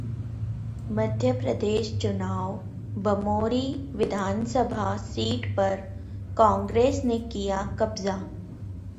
मध्य प्रदेश चुनाव: बमोरी विधानसभा सीट पर कांग्रेस ने किया कब्जा